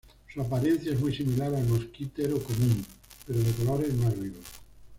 Su apariencia es muy similar al mosquitero común, pero de colores más vivos.